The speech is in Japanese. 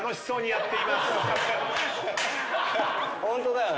ホントだよね。